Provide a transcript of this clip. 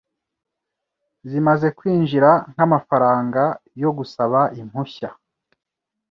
zimaze kwinjira nk’amafaranga yo gusaba impushya.